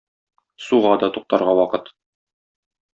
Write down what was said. Суга да туктарга вакыт.